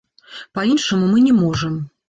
Па-іншаму мы не можам.